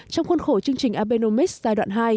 trong khuôn khổ chương trình abenomis giai đoạn hai